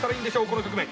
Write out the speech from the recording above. この局面。